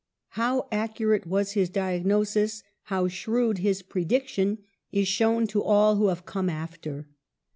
^ How accurate was his diagnosis, how shrewd his prediction is known to all who have come after.